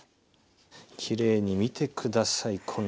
きれいに見て下さい。